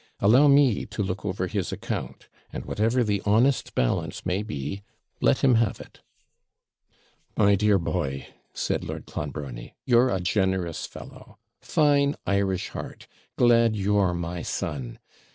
Allow me to look over his account; and whatever the honest balance may be, let him have it.' 'My dear boy!' said Lord Clonbrony, 'you're a generous fellow. Fine Irish heart! glad you're my son!